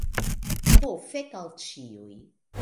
Ho fek al ĉiuj.